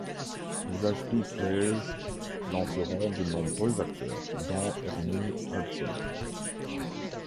Les Ashby Players lanceront de nombreux acteurs, dont Ernie Hudson.